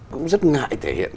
cũng rất ngại thể hiện